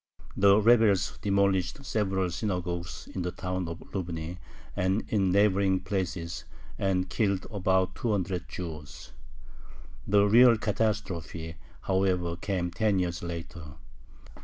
The rebels demolished several synagogues in the town of Lubny and in neighboring places, and killed about two hundred Jews. The real catastrophe, however, came ten years later.